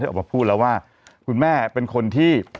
ออกมาพูดแล้วว่าคุณแม่เป็นคนที่